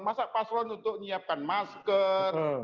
masa paslon untuk menyiapkan masker